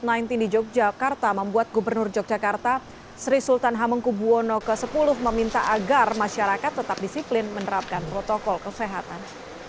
pemain tindih yogyakarta membuat gubernur yogyakarta sri sultan hamengku buwono ke sepuluh meminta agar masyarakat tetap disiplin menerapkan protokol kesehatan